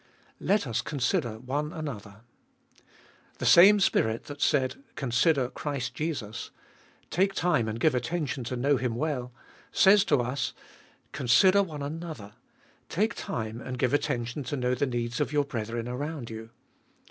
Let us consider one another. The same Spirit that said, Consider Christ Jesus — take time, and give attention to know Him well— says to us, Consider one another— take time, and give attention to know the needs of your brethren around you.